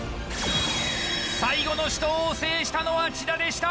最後の死闘を制したのは千田でした！